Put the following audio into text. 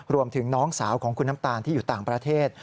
รวมถึงน้องสาวของคุณน้ำตาลที่อยู่ต่างประเทศ